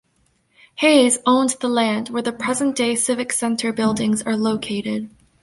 Hayes owned the land where the present day Civic Center buildings are located.